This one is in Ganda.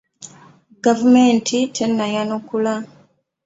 Gavumenti tennayanukula.